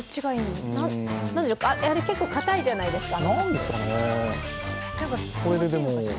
あれ結構固いじゃないですか。